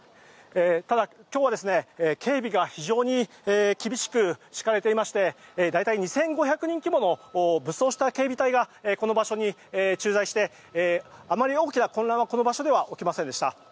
ただ、今日は警備が非常に厳しく敷かれていまして大体２５００人規模の武装した警備隊がこの場所に駐在してあまり大きな混乱はこの場所では起きませんでした。